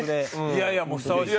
いやいやもうふさわしい。